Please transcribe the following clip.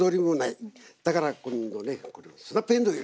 だから今度ねこのスナップえんどう入れる。